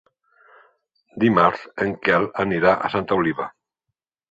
Dimarts en Quel anirà a Santa Oliva.